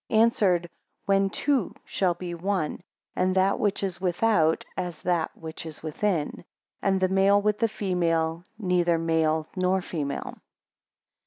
answered, When two shall be one, and that which is without as that which is within; and the male with the female, neither male nor female.